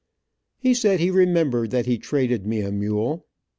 He said he remembered that he traded me a mule.